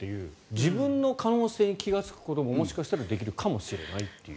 自分の可能性に気がつくことももしかしたらできるかもしれないという。